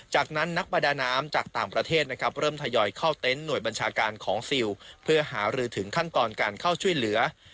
จากนั้นนักประดาน้ำจากต่างประเทศนะครับเริ่มทยอยเข้าเต็นต์หน่วยบัญชาการของซิลเพื่อหารือถึงขั้นตอนการเข้าช่วยเหลือ